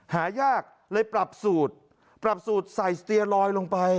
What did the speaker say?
หายากเลยปรับสูตรปรับสูตรใส่สเตียลอยลงไป